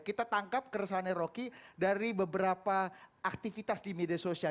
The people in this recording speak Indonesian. kita tangkap keresahannya rocky dari beberapa aktivitas di media sosial